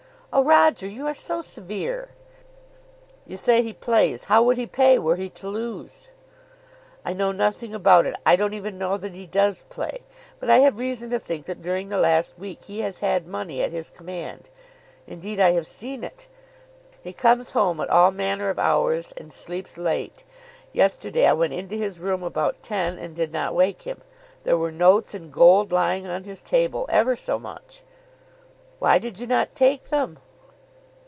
"O Roger, you are so severe!" "You say he plays. How would he pay, were he to lose?" "I know nothing about it. I don't even know that he does play; but I have reason to think that during the last week he has had money at his command. Indeed I have seen it. He comes home at all manner of hours and sleeps late. Yesterday I went into his room about ten and did not wake him. There were notes and gold lying on his table; ever so much." "Why did you not take them?"